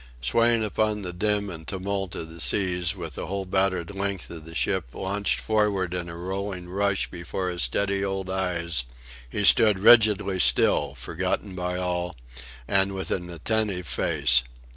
Swaying upon the din and tumult of the seas, with the whole battered length of the ship launched forward in a rolling rush before his steady old eyes, he stood rigidly still, forgotten by all, and with an attentive face.